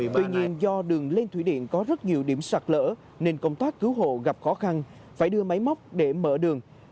tuy nhiên do đường lên thủy điện có rất nhiều điểm sạt lỡ nên công tác cứu hộ gặp khó khăn phải đưa máy móc để mở đường